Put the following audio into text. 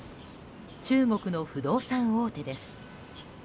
中国の不動産大手です。